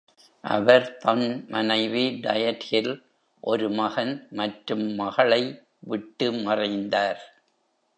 அவர் தன் மனைவி Diethil, ஒரு மகன் மற்றும் மகளை விட்டு மறைந்தார்.